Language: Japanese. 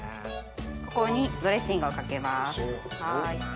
ここにドレッシングをかけます。